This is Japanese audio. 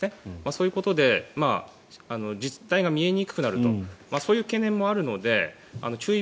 そういうことで実態が見えにくくなるとそういう懸念もあるので注意